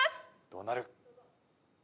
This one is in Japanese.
どうなる？